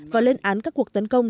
và lên án các cuộc tấn công